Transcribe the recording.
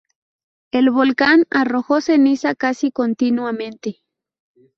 El volcán arrojó ceniza casi continuamente.